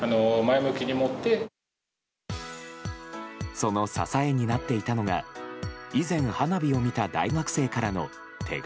その支えになっていたのが以前花火を見た大学生からの手紙。